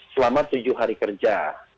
selama tujuh hari kerja